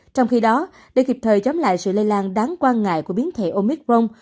trong khi đó để kịp thời chống lại sự lây lan đáng quan ngại của biến thể omicron